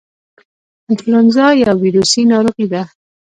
انفلونزا یو ویروسي ناروغي ده